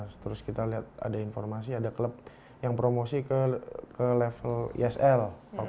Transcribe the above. pada saat itu rido mencari informasi dari klub yang mempromosikan ke level isl